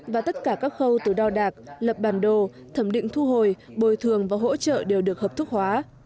và tất cả các khâu từ đo đạc lập bản đồ thẩm định thu hồi bồi thường và hỗ trợ đều được hợp thức hóa